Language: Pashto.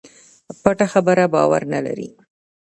پټه خبره باور نه لري.